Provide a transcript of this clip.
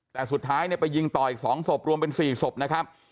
แต่สุดท้ายเนี่ยไปยิงต่ออีก๒ศพรวมเป็น๔ศพนะครับ